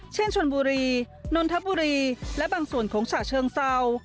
เช่นชนบุรีนนทบุรีและบางส่วนของฉะเชิงเศร้า